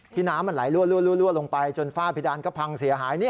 น้ำมันไหลรั่วลงไปจนฝ้าเพดานก็พังเสียหาย